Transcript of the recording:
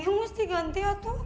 neneknya mesti ganti ya